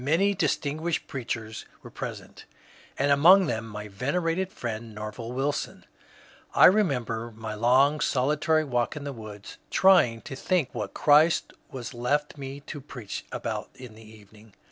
Many distin guished preachers were present and among them my venerated friend Nerval Wilson. I remember my long solitary walk in the woods trying to think what Christ was left me to preach about in the evening.